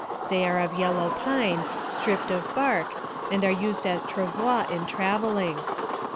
They are of yellow pine, stripped of bark, and are used as " travois " in traveling.